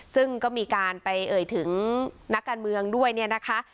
ซึ่งก็มีการไปเอ่ยถึงนักการเมืองด้วยเนี่ยนะคะ